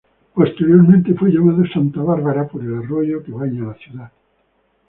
Posteriormente fue llamado Santa Bárbara, por el arroyo que baña la ciudad.